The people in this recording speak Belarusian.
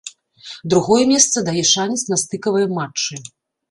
Другое месца дае шанец на стыкавыя матчы.